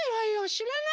しらない！